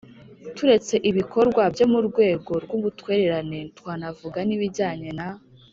Turetse ibikorwa byo mu rwego rw ubutwererane twanavuga n ibijyanye na